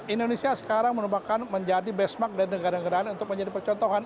indonesia sekarang merupakan menjadi benchmark dari negara negara lain untuk menjadi percontohan